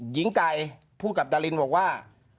หญิงไก่พูดกับดารินบอกว่า